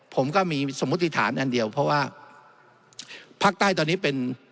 ผมก็มีสมมุติฐานอันเดียวเพราะว่าภาคใต้ตอนนี้เป็น